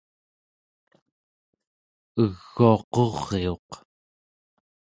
eguaquriuq